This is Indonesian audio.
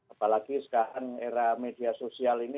apalagi sekarang era media sosial ini